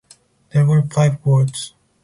There were five wards.